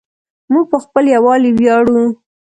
موږ په خپل یووالي ویاړو.